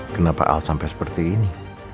kenapa alat sampai seperti ini